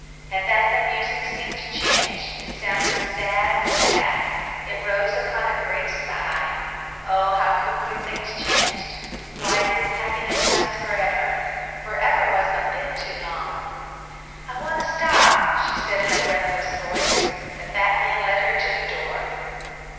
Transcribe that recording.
At that the music seemed to change; it sounded sad, sad; it rose upon a great sigh. Oh, how quickly things changed! Why didn't happiness last for ever? For ever wasn't a bit too long. "I want to stop," she said in a breathless voice. The fat man led her to the door.